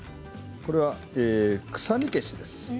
これは臭み消しです。